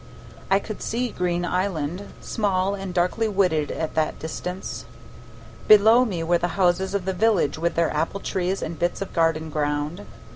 I could see Green Island, small and darkly wooded at that distance; below me were the houses of the village with their apple trees and bits of garden ground.